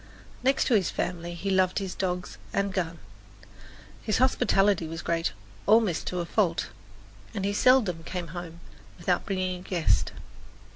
Next to his family he loved his dogs and gun. His hospitality was great, almost to a fault, and he seldom came home without bringing a guest.